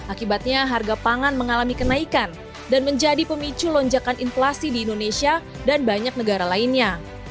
akibatnya harga pangan mengalami kenaikan dan menjadi pemicu lonjakan inflasi di indonesia dan banyak negara lainnya